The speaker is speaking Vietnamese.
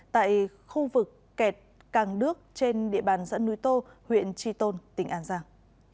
tại khu vực kẹt càng đước trên địa bàn dãn núi tô huyện tri tôn tỉnh an giang